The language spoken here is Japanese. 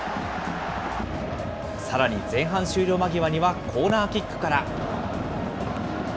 さらに前半終了間際にはコーナーキックから。